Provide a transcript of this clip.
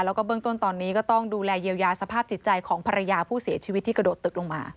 แล้วก็เบื้องต้นตอนนี้ก็ต้องดูแลเยียวยาสภาพจิตใจของภรรยาผู้เสียชีวิตที่กระโดดตึกลงมา